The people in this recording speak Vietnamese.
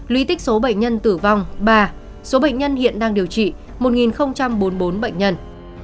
lý tích số bệnh nhân tử vong ba số bệnh nhân hiện đang điều trị một bốn mươi bốn bệnh nhân